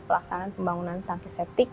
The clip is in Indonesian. pelaksanaan pembangunan tangki septik